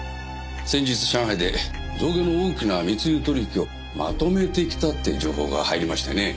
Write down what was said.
先日上海で象牙の大きな密輸取引をまとめてきたって情報が入りましてね。